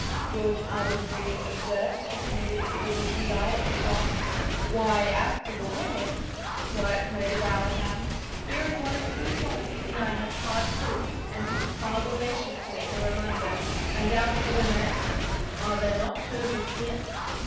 George indolently observed, cocking a dis illusioned eye at the throng. " Why as to the women "— Wyatt made a bow at Anne — "here is one of whose honesty I have hard proof" — and he smiled audaciously at the reminder — and as for the man, are there not two of us here?